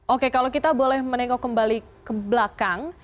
oke kalau kita boleh menengok kembali ke belakang